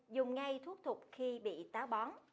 dùng ngay thuốc thuộc khi bị táo bón